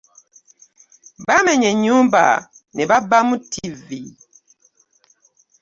Baamenya ennyumba ne babbamu ttivi.